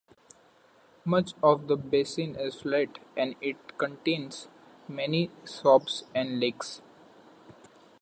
Much of the basin is flat, and it contains many swamps and lakes.